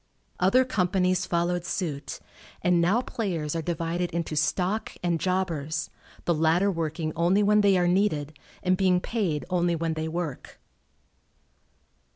Other companies followed suit, and now players are divided into "stock" and "jobbers," the latter working only when they are needed and being paid only when they work.